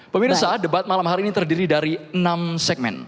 pemirsa debat malam hari ini terdiri dari enam segmen